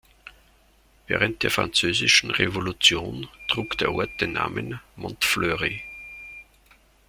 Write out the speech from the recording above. Während der Französischen Revolution trug der Ort den Namen "Mont Fleury".